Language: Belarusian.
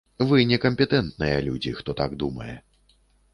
Вы не кампетэнтныя людзі, хто так думае.